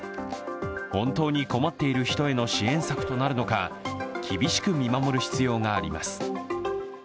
本当に困っている人への支援策となるのか厳しく見守る必要があります。